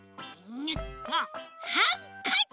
ハンカチ！